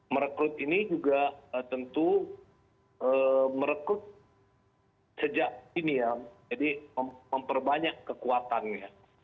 merekrut ini juga tentu merekrut sejak ini ya jadi memperbanyak kekuatannya